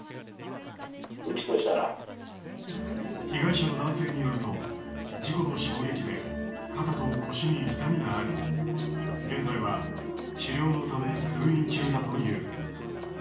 被害者の男性によると事故の衝撃で肩と腰に痛みがあり現在は治療のため通院中だという。